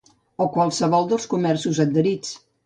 o a qualsevol dels comerços adherits